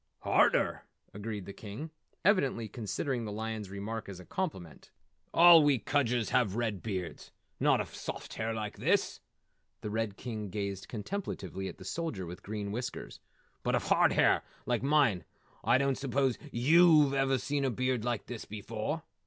"Harder!" agreed the King, evidently considering the lion's remark a compliment. "All we Kudgers have red beards not of soft hair like his " The Red King gazed contemplatively at the Soldier with Green Whiskers, "but of hard hair like mine. I don't suppose yew've ever seen a beard like this before.